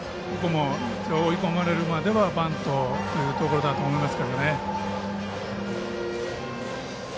追い込まれるまではバントというところだと思います。